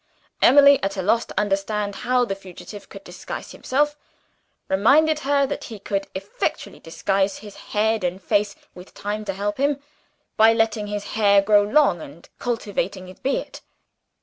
Emily at a loss to understand how the fugitive could disguise himself. Reminded her that he could effectually disguise his head and face (with time to help him) by letting his hair grow long, and cultivating his beard.